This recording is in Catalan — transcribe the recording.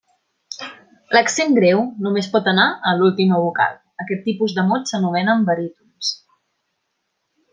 L'accent greu només pot anar a l'última vocal, aquest tipus de mots s'anomenen barítons.